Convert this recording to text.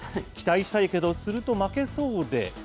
期待したいけど、すると負けそうで。